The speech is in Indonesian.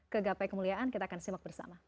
ke gapai kemuliaan kita akan simak bersama